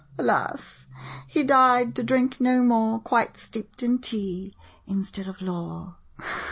Alas— he died to drink no more, Quite steeped in tea— instead of lore!